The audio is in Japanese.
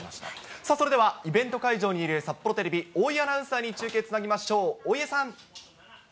さあ、それではイベント会場にいる、札幌テレビ、大家アナウンサーに中継つなぎましょう。